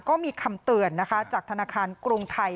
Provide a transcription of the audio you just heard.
ก็มีคำเตือนนะคะจากธนาคารกรุงไทย